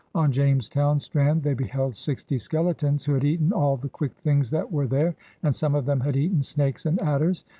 On Jamestown strand they beheld sixty skeletons 'Vho had eaten all the quick things that weare there, and some of them had eaten an&k^s and adders.